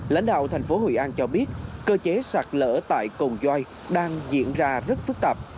lãnh đạo thành phố hồ an cho biết cơ chế sạt lở tại cồn roi đang diễn ra rất phức tạp